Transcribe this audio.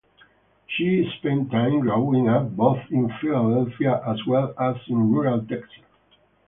She spent time growing up both in Philadelphia as well as in rural Texas.